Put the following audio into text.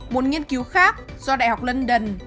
một nghiên cứu khác do đại học london